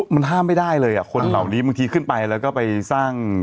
มันห้ามไม่ได้เลยอ่ะคนเหล่านี้บางทีขึ้นไปแล้วก็ไปสร้าง